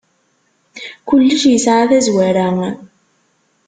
Kullec yesɛa tazwara.